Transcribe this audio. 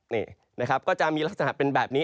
นี่นะครับก็จะมีลักษณะเป็นแบบนี้